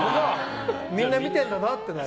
みんな見てんだなって。